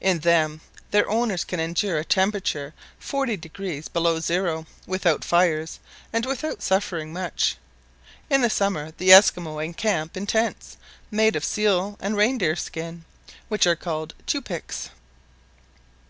In them their owners can endure a temperature 40° below zero, without fires, and without suffering much. In the summer the Esquimaux encamp in tents made of seal and reindeer skins, which are called tupics.